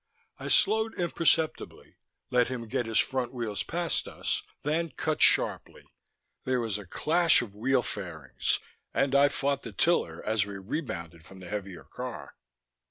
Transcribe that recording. I slowed imperceptibly, let him get his front wheels past us, then cut sharply. There was a clash of wheel fairings, and I fought the tiller as we rebounded from the heavier car.